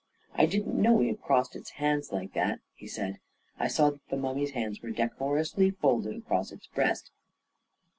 " I didn't know we had crossed its hands like that," he said, and I saw that the mummy's hands were decorously folded across its breast.